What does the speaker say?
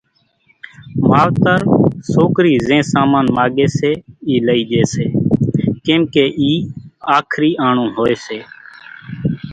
ماوتر سوڪرِي زين سامان ماڳي سي اِي لِي ڄي سي ڪيمڪي اِي آکرِي آڻون ھوئي سي